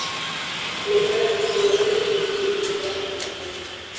Kulingana na kisio moja theluthi mbili za Wamaasai